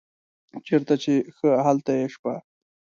چیرته چې ښه هلته یې شپه.